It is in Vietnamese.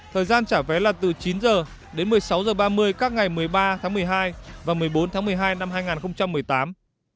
thời gian trả vé là từ chín h đến một mươi sáu h ba mươi các ngày một mươi ba tháng một mươi hai và một mươi bốn tháng một mươi hai năm hai nghìn một mươi tám